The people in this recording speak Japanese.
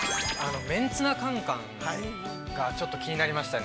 ◆めんツナかんかんがちょっと気になりましたね。